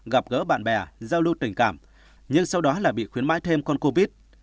gặp gỡ bạn bè giao lưu tình cảm nhưng sau đó là bị khuyến mãi thêm con covid